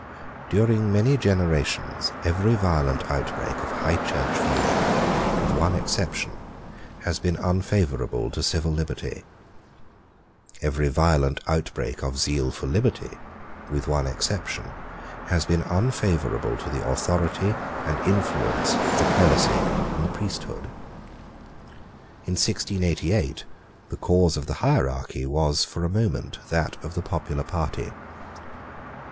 During many generations every violent outbreak of High Church feeling, with one exception, has been unfavourable to civil liberty; every violent outbreak of zeal for liberty, with one exception, has been unfavourable to the authority and influence of the prelacy and the priesthood. In 1688 the cause of the hierarchy was for a moment that of the popular party.